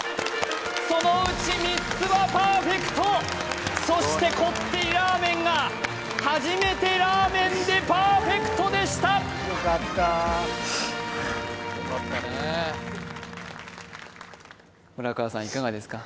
そのうち３つはパーフェクトそしてこってりラーメンが初めてラーメンでパーフェクトでした村河さんいかがですか？